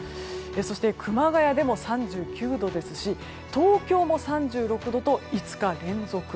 そして熊谷でも３９度ですし東京も３６度と５日連続。